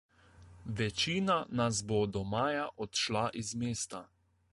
Večina nas bo do maja odšla iz mesta.